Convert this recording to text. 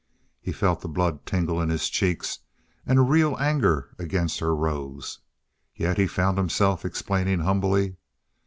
He felt the blood tingle in his cheeks, and a real anger against her rose. Yet he found himself explaining humbly.